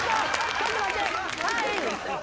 ちょっと待って。